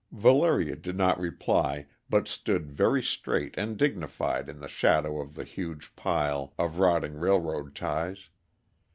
Valeria did not reply, but stood very straight and dignified in the shadow of the huge pile of rotting railroad ties.